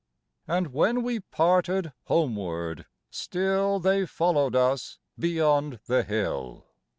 And when we parted homeward, still They followed us beyond the hill.